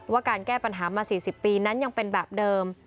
การแก้ปัญหามา๔๐ปีนั้นยังเป็นแบบเดิม